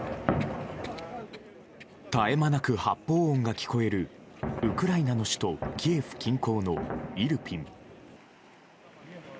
絶え間なく発砲音が聞こえるウクライナの首都キエフ近郊のイルピン。